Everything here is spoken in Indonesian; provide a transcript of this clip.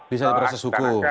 bisa proses hukum